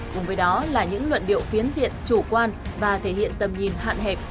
cùng với đó là những luận điệu phiến diện chủ quan và thể hiện tầm nhìn hạn hẹp